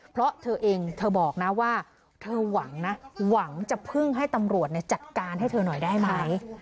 เพราะเธอเองเธอบอกนะว่าเธอหวังนะหวังจะพึ่งให้ตำรวจจัดการให้เธอหน่อยได้ไหม